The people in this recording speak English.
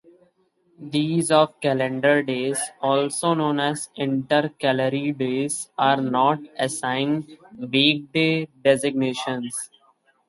These off-calendar days, also known as "intercalary days", are not assigned weekday designations.